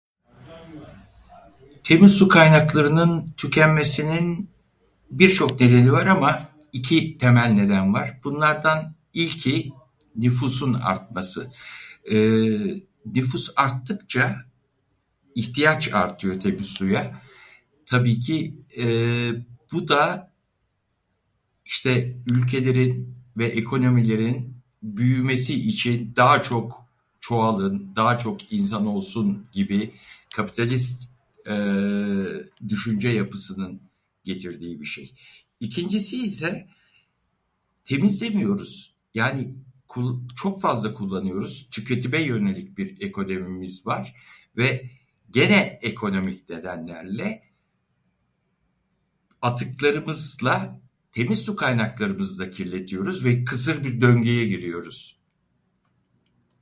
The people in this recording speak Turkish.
"Temiz su kaynaklarının tükenmesinin bir çok nedeni var ama, iki temel neden var. Bunlardan ilki nüfusun artması. Nüfus arttıkça, ihtiyaç artıyor tabii suya, tabi ki bu da işte ülkelerin ve ekonomilerin büyümesi için ""daha çok çoğalın"", ""daha çok insan olsun"" gibi kapitalist düşünce yapısının getirdiği bişey. İkincisi ise, temizlemiyoruz, yani kul- çok fazla kullanıyoruz, tüketime yönelik bir ekonomimiz var ve gene ekonomik nedenlerle, atıklarımızla temiz su kaynaklarımızı da kirletiyoruz ve kısır bir döngüye giriyoruz."